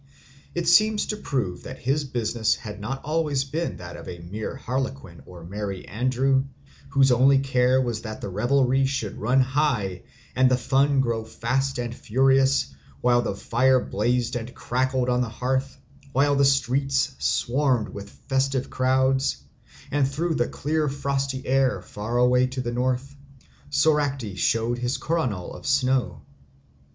It seems to prove that his business had not always been that of a mere harlequin or merry andrew whose only care was that the revelry should run high and the fun grow fast and furious, while the fire blazed and crackled on the hearth, while the streets swarmed with festive crowds, and through the clear frosty air, far away to the north, Soracte showed his coronal of snow.